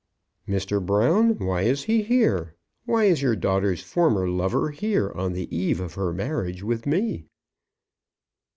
"Mr. Brown, why is he here? Why is your daughter's former lover here on the eve of her marriage with me?"